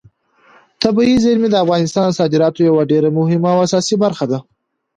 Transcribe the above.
طبیعي زیرمې د افغانستان د صادراتو یوه ډېره مهمه او اساسي برخه ده.